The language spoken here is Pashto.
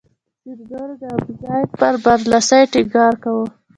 ځینو نورو د ابوزید پر برلاسي ټینګار کاوه.